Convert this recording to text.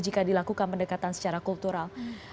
jika dilakukan pendekatan secara kultural